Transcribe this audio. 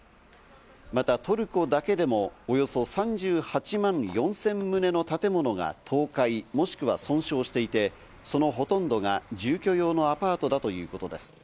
またトルコだけでもおよそ３８万４０００棟の建物が倒壊、もしくは損傷していて、そのほとんどが住居用のアパートだということです。